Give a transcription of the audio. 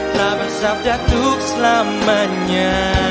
telah bersabda tuk selamanya